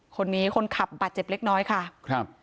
คนนี้คนขับบาดเจ็บเล็กน้อยค่ะครับ